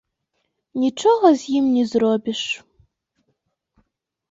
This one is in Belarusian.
Нічога з ім не зробіш.